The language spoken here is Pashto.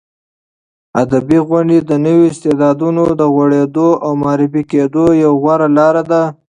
ادبي غونډې د نویو استعدادونو د غوړېدو او معرفي کېدو یوه غوره لاره ده.